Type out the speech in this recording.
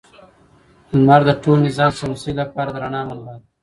لمر د ټول نظام شمسي لپاره د رڼا منبع ده.